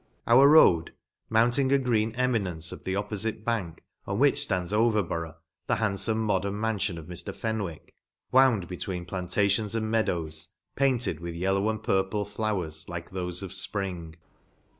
Our road, mount ing a green eminence of the oppofite bank, on which flands Overborough, the hand fome modern manfion of Mr. FENWICK, wound between plantations and meadows, painted with yellow and purple flowers, like thofe of fpring.